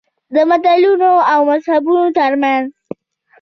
د ملتونو او مذهبونو ترمنځ.